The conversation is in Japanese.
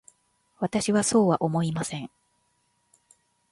私はそうは思いません。